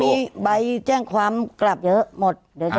มีใบแจ้งความกลับเยอะหมด